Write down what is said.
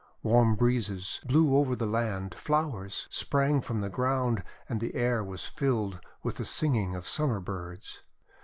Warm breezes blew over the land, flowers sprang from the ground, and the air was filled with the sing ing of Summer birds.